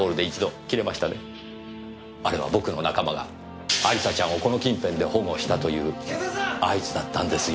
あれは僕の仲間が亜里沙ちゃんをこの近辺で保護したという合図だったんですよ。